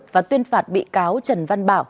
và tuyên phạt bị cáo trần văn bảo